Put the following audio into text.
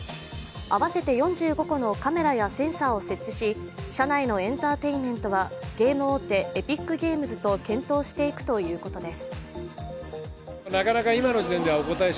合わせて５個のカメラやセンサーを設置し車内のエンターテインメントはゲーム大手ＥｐｉｃＧａｍｅｓと検討していくということです。